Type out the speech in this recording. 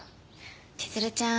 千鶴ちゃん